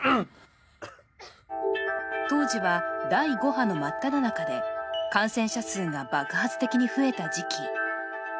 当時は第５波の真っただ中で、感染者数が爆発的に増えた時期。